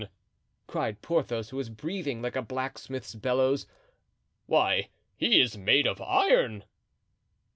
cried Porthos, who was breathing like a blacksmith's bellows; "why, he is made of iron."